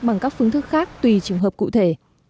bằng các phương thức khác tùy trường hợp cụ thể